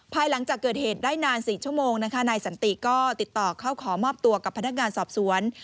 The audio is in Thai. ภายหลังจากเกิดเหตุได้นาน๔ชั่วโมงนะคะนายสันติก็ติดต่อเข้าขอมอบตัวกับพนักงานสอบสวน